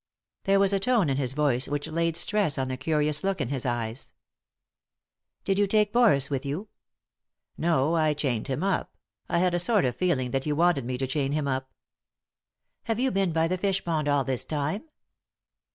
There was a tone in his voice which laid stress on the curious look in his eyes. 196 3i 9 iii^d by Google THE INTERRUPTED KISS " Did you take Boris with you ?"" No ; I chained him up. I had a sort of feeling that you wanted me to chain him up." " Have you been by the fishpond all this time